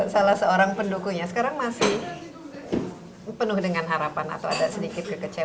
salah seorang pendukungnya sekarang masih penuh dengan harapan atau ada sedikit kekecewa